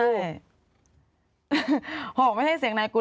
เพราะไม่ใช่เสียงนายกู